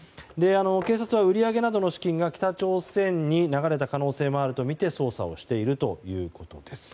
警察は売り上げなどの資金が北朝鮮に流れた可能性もあるとみて捜査をしているということです。